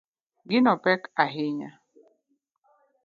Gino pek ahinya